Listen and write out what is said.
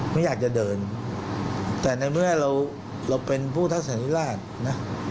ไม่อยากจะเดินแต่ในเมื่อเราเป็นผู้ทักษณิราชนะ